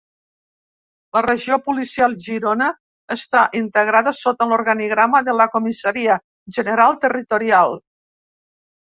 La Regió Policial Girona està integrada sota l'organigrama de la Comissaria General Territorial.